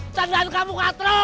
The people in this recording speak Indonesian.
candaan kamu gak teruk